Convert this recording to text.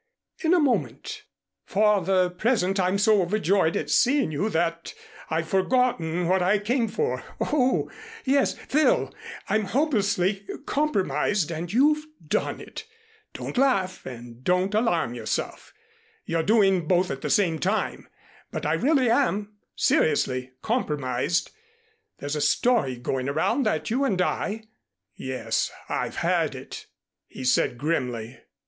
"In a moment. For the present I'm so overjoyed at seeing you, that I've forgotten what I came for. Oh, yes Phil, I'm hopelessly compromised and you've done it. Don't laugh and don't alarm yourself. You're doing both at the same time but I really am seriously compromised. There's a story going around that you and I " "Yes, I've heard it," he said grimly.